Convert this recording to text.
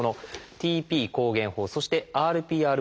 「ＴＰ抗原法」そして「ＲＰＲ法」です。